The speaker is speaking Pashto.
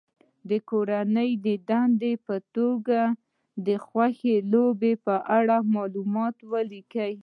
د کورنۍ دندې په توګه د خوښې لوبې په اړه معلومات ولیکي.